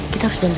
kita harus balik